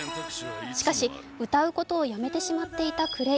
しかし、歌うことをやめてしまっていたクレイ。